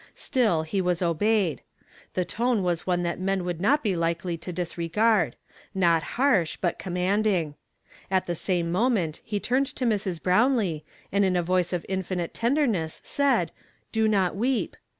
Still, he was obeyed. The tone was one that men would not be likely to dis regard—not harsh, but commanding. At the same moment he turned to Mi s. Brownlee, and in a voice of infinite tenderness said, ' Do not weep.'